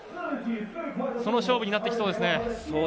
その勝負になってきそうですね。